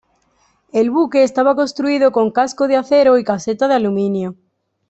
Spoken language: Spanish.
El buque estaba construido con casco de acero y caseta de aluminio.